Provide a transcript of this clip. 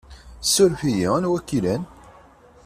Suref-iyi! Anwa i k-ilan?